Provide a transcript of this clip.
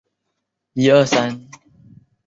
曾担任台中市市长。